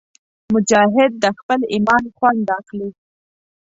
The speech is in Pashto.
مجاهد د خپل ایمان خوند اخلي.